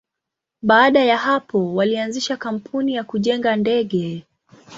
Baada ya hapo, walianzisha kampuni ya kujenga ndege.